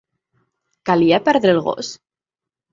Calia perdre el gos?